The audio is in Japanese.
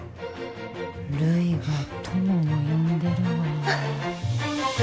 類が友を呼んでるわ。